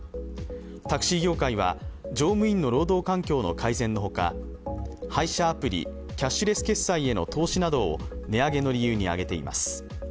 タクシー業界は、乗務員の労働環境の改善のほか、配車アプリ、キャッシュレス決済への投資などを値上げの理由に挙げています。